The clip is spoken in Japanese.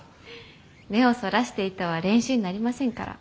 目をそらしていては練習になりませんから。